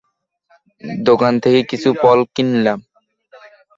দোকান থেকে কিছু ফল কিনলাম।